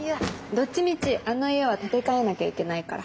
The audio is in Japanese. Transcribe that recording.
どっちみちあの家は建て替えなきゃいけないから。